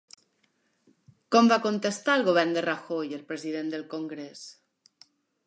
Com va contestar el govern de Rajoy al president del congrés?